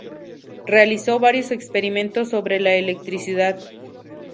Realizó varios experimentos sobre la electricidad.